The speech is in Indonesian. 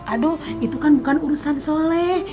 aduh itu kan bukan urusan soleh